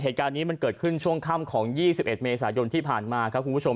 เหตุการณ์นี้มันเกิดขึ้นช่วงค่ำของ๒๑เมษายนที่ผ่านมาครับคุณผู้ชม